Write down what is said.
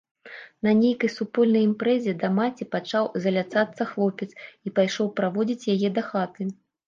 На нейкай супольнай імпрэзе да маці пачаў заляцацца хлопец і пайшоў праводзіць яе дахаты.